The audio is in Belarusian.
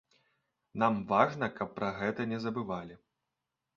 Нам важна, каб пра гэта не забывалі.